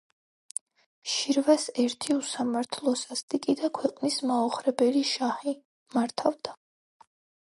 შირვას ერთი უსამართლო, სასტიკი და ქვეყნის მაოხრებელი შაჰი მართავდა.